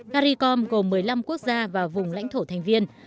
caribe com gồm một mươi năm quốc gia và vùng lãnh thổ thành viên